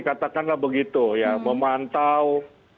katakanlah begitu ya memantau